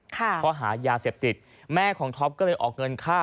ข้อหายาเสพติดแม่ของท็อปก็เลยออกเงินค่า